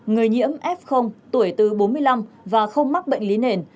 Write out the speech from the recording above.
người nhiễm f tuổi từ bốn mươi năm và không mắc bệnh lý nền